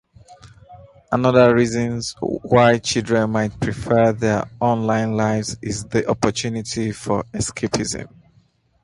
Another reason why children might prefer their online lives is the opportunity for escapism.